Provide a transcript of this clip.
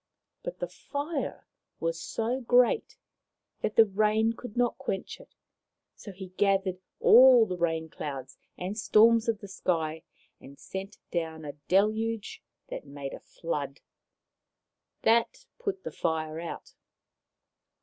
But the fire was so great that the rain could not quench it, so he gathered all the rain clouds and storms of the sky and sent down a deluge that made a flood. That put the fire out.